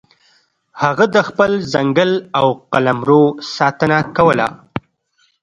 هغه د خپل ځنګل او قلمرو ساتنه کوله.